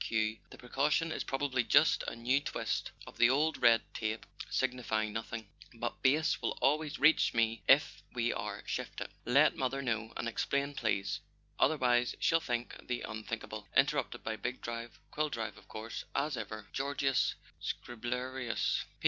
Q. The precaution is probably just a new twist of the old red tape, signifying nothing; but Base will always reach me if we are shifted. Let mother know% and explain, please; otherwise she'll think the unthinkable. " Interrupted by big drive—quill drive, of course ! "As ever "Georgius Scriblerius.